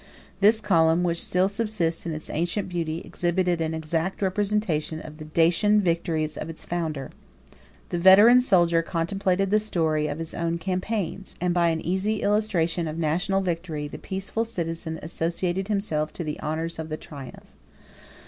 This column, which still subsists in its ancient beauty, exhibited an exact representation of the Dacian victories of its founder. The veteran soldier contemplated the story of his own campaigns, and by an easy illusion of national vanity, the peaceful citizen associated himself to the honors of the triumph.